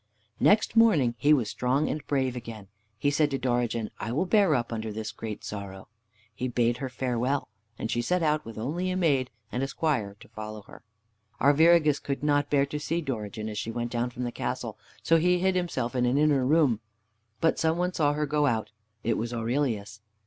Next morning he was strong and brave again. He said to Dorigen, "I will bear up under this great sorrow." He bade her farewell, and she set out with only a maid and a squire to follow her. Arviragus could not bear to see Dorigen as she went down from the castle, so he hid himself in an inner room. But some one saw her go out. It was Aurelius.